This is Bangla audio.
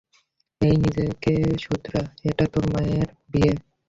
এই নিজেকে শুধরা, এটা তোর মেয়ের বিয়ে।